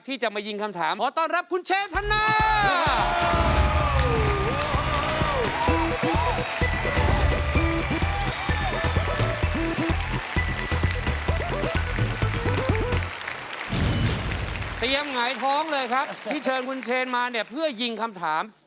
ที่จะมายิงคำถาม